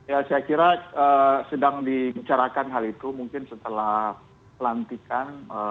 ya saya kira sedang dibicarakan hal itu mungkin setelah pelantikan